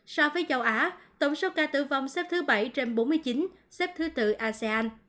so với châu á tổng số ca tử vong xếp thứ bảy trên bốn mươi chín xếp thứ tự asean